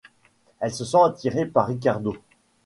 Elle se sent attirée par Ricardo.